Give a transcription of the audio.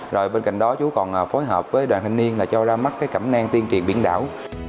rồi bên cạnh đó chú còn phối hợp với đoàn thanh niên là cho ra mắt cái cẩm nang tiên triển biển đảo